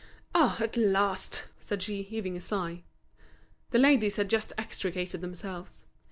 "Ah, at last!" said she, heaving a sigh. The ladies had just extricated themselves.